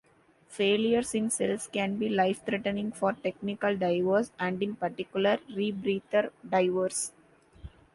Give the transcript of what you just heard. Failures in cells can be life-threatening for technical divers and in particular, rebreather divers.